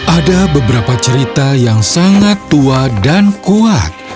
ada beberapa cerita yang sangat tua dan kuat